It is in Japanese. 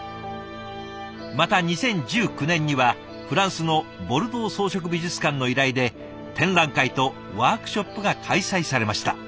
また２０１９年にはフランスのボルドー装飾美術館の依頼で展覧会とワークショップが開催されました。